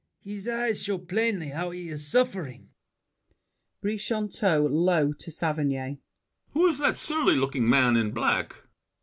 His eyes show plainly how he's suffering! BRICHANTEAU (low to Saverny). Who is that surly looking man in black?